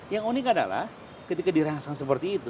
yang unik adalah ketika dirangsang seperti itu